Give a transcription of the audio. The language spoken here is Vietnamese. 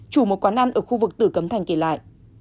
chủ một quán ăn ở khu vực tử cấm thành kể lại